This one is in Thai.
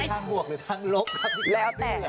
มีทางห่วงหรือทางลกครับพี่พาย